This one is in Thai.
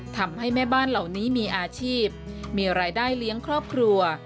ทำให้แม่บ้านเหล่านี้มีอาชีพมีรายได้เลี้ยงครอบครัว